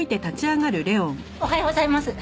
おはようございます。